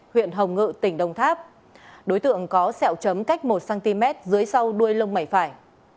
huyện hồng ngự tỉnh đông tháp đối tượng có sẹo chấm cách một cm dưới sau đuôi lông mày phải